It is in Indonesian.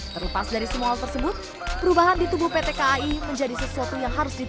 terlepas dari semua hal tersebut perubahan di tubuh pt kai menjadi sesuatu yang harus diperlukan